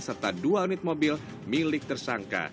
serta dua unit mobil milik tersangka